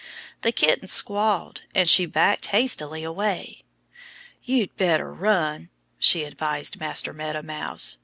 The kitten squalled. And she backed hastily away. "You'd better run!" she advised Master Meadow Mouse.